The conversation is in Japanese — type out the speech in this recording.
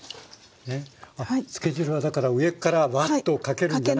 あっつけ汁はだから上からワッとかけるんじゃなくて。